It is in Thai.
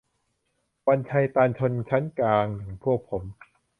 วันชัย ตัน : ชนชั้นกลางอย่างพวกผม